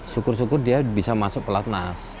syukur syukur dia bisa masuk pelatnas